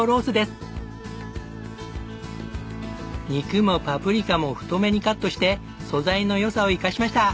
肉もパプリカも太めにカットして素材の良さを生かしました。